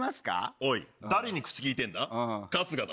おい、誰に口きいてんだ？